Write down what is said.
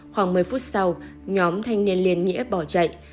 khoảng một mươi phút sau nhóm thanh niên liên nghĩa bỏ chạy